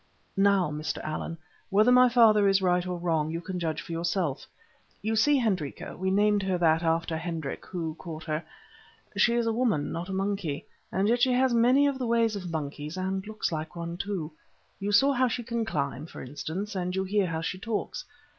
"Now, Mr. Allan, whether my father is right or wrong, you can judge for yourself. You see Hendrika—we named her that after Hendrik, who caught her—she is a woman, not a monkey, and yet she has many of the ways of monkeys, and looks like one too. You saw how she can climb, for instance, and you hear how she talks.